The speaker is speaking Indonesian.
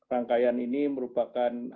rangkaian ini merupakan antara lain